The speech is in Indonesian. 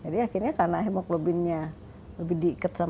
jadi akhirnya karena hemoglobin itu kalah maka dia bisa mengikat oksigen